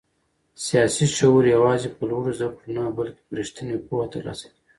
سیاسي شعور یوازې په لوړو زده کړو نه بلکې په رښتینې پوهه ترلاسه کېږي.